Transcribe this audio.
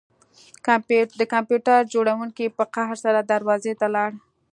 د کمپیوټر جوړونکي په قهر سره دروازې ته لاړ